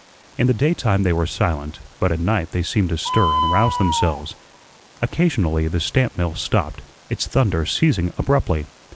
In the daytime they were silent; but at night they seemed to stir and rouse themselves. Occasionally the stamp mill stopped, its thunder ceasing abruptly.